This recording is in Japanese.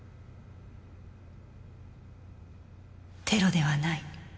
テロではない